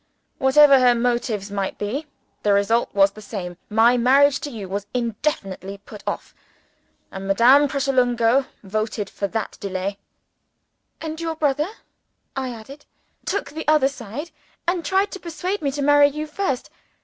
"Whatever her motives might be, the result was the same. My marriage to you was indefinitely put off; and Madame Pratolungo voted for that delay." "And your brother," I added, "took the other side, and tried to persuade me to marry you first.